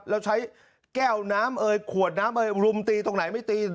แล้วใช้แก้วน้ำเอ่ยขวดน้ำรุมตีตรงไหนไม่ตี